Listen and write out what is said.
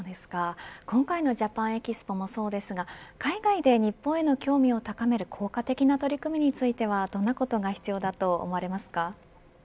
今回のＪａｐａｎＥｘｐｏもそうですが海外で日本への興味を高める効果的な取り組みについてはどんなことが必要だと思われますか。